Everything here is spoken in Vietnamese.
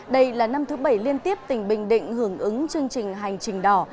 đây là năm thứ bảy liên tiếp tỉnh bình định hưởng ứng chương trình hành trình đỏ